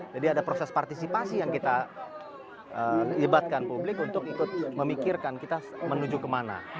jadi ada proses partisipasi yang kita ibatkan publik untuk ikut memikirkan kita menuju kemana